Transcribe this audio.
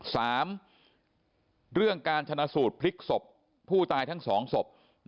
สามเรื่องการชนะสูตรพลิกศพผู้ตายทั้งสองศพ